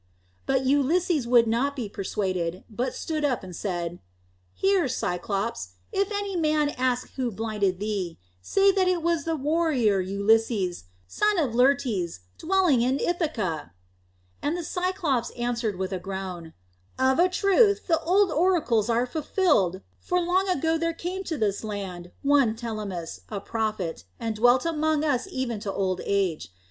But Ulysses would not be persuaded, but stood up and said, "Hear, Cyclops! If any man ask who blinded thee, say that it was the warrior Ulysses, son of Laertes, dwelling in Ithaca." And the Cyclops answered with a groan, "Of a truth, the old oracles are fulfilled, for long ago there came to this land one Telemus, a prophet, and dwelt among us even to old age.